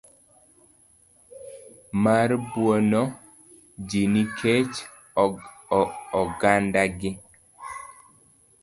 mar buono ji nikech ogandagi.